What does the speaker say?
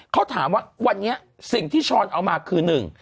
เขาถามว่าวันนี้สิ่งที่ช้อนเอามาคือหนึ่ง